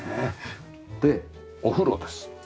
でお風呂です。